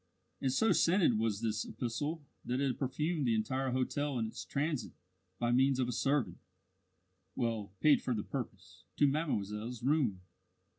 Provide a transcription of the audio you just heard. And so scented was this epistle that it perfumed the entire hotel in its transit by means of a servant (well paid for the purpose) to mademoiselle's room.